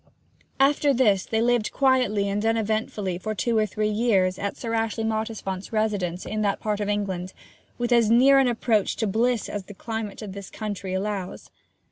After this they lived quietly and uneventfully for two or three years at Sir Ashley Mottisfont's residence in that part of England, with as near an approach to bliss as the climate of this country allows.